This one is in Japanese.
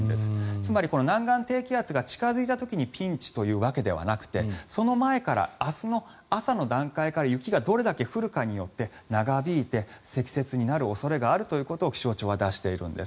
つまり、南岸低気圧が近付いた時にピンチというわけではなくてその前から明日の朝の段階から雪がどれだけ降るかによって長引いて、積雪になる恐れがあるということを気象庁は出しているんです。